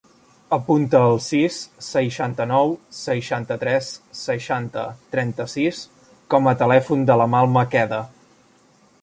Apunta el sis, seixanta-nou, seixanta-tres, seixanta, trenta-sis com a telèfon de l'Amal Maqueda.